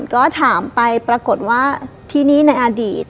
ก็ถามไปปรากฏว่าที่นี่ในอดีต